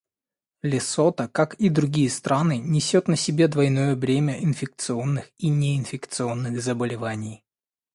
Лесото, как и другие страны, несет на себе двойное бремя инфекционных и неинфекционных заболеваний.